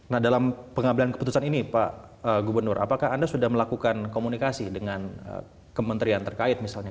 nah dalam pengambilan keputusan ini pak gubernur apakah anda sudah melakukan komunikasi dengan kementerian terkait misalnya